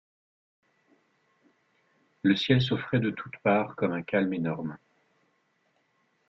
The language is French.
Le ciel s’offrait de toutes parts comme un calme énorme.